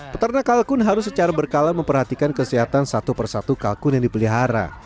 peternak kalkun harus secara berkala memperhatikan kesehatan satu persatu kalkun yang dipelihara